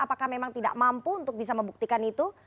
apakah memang tidak mampu untuk bisa membuktikan itu